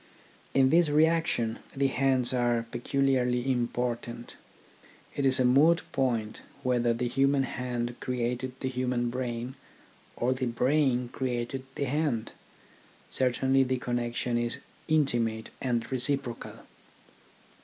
In this reaction the hands are pecu liarly important. It is a moot point whether the human hand created the human brain, or the brain created the hand. Certainly the connection is intimate and reciprocal.